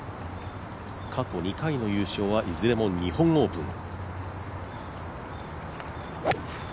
過去２回の優勝はいずれも日本オープン。